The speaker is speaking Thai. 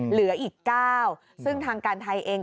เหลืออีก๙ซึ่งทางการไทยเอง